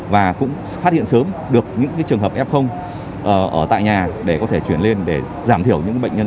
và cũng phát hiện sớm được những trường hợp f ở tại nhà để có thể chuyển lên để giảm thiểu những bệnh nhân